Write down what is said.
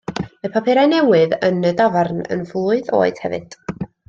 Mae papurau newydd yn y dafarn yn flwydd oed hefyd.